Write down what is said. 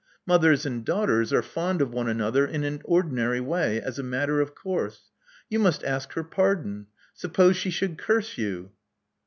Mothers and daughters are fond of one another in an ordinary way as a matter of course. You must ask her pardon. Suppose she should curse you."